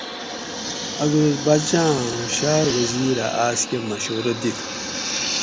ا دوس باچاں ا ہُوشاۤر وزیرہ آس کہ مشورہ دیت